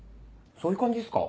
そういう感じっすか？